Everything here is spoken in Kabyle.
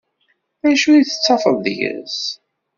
D acu tettafeḍ deg-s.